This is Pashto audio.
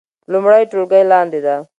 لومړۍ ټولګی لاندې ده